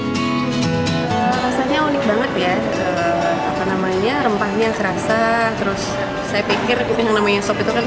rasanya unik banget ya rempahnya serasa terus saya pikir yang namanya sup itu pasti bening